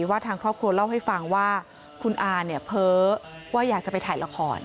ว่าทางครอบครัวเล่าให้ฟังว่าคุณอาเนี่ยเพ้อว่าอยากจะไปถ่ายละคร